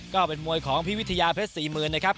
ก็เป็นมวยของพี่วิทยาเพชร๔๐๐๐นะครับ